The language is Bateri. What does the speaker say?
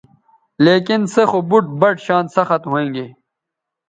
لیکن سے خو بُٹ بَٹ شان سخت ھوینگے